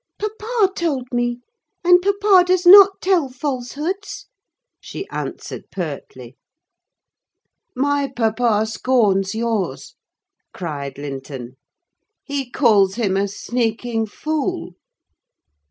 "Papa told me; and papa does not tell falsehoods," she answered pertly. "My papa scorns yours!" cried Linton. "He calls him a sneaking fool."